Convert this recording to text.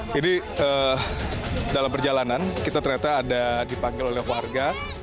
jadi dalam perjalanan kita ternyata ada dipanggil oleh keluarga